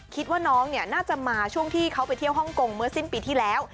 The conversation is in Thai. คิดว่าน้องเนี่ยน่าจะมาช่วงที่เขาไปเที่ยวฮ่องกงเมื่อสิ้นปีที่แล้ว